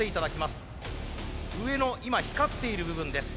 上の今光っている部分です。